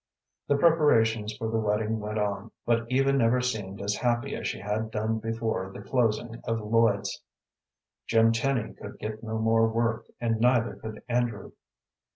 The preparations for the wedding went on, but Eva never seemed as happy as she had done before the closing of Lloyd's. Jim Tenny could get no more work, and neither could Andrew.